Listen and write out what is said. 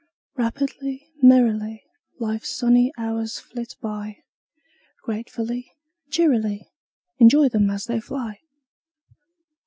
Rapidly, merrily, Life's sunny hours flit by, Gratefully, cheerily Enjoy them as they fly!